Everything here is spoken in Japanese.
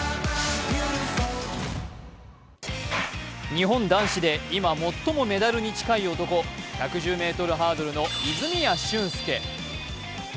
日本男子で今最もメダルに近い男、１１０ｍハードルの泉谷駿介。